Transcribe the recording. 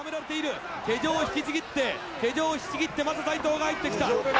手錠を引きちぎって手錠を引きちぎってマサ斎藤が入ってきた。